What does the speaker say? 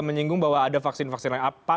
menyinggung bahwa ada vaksin vaksin lain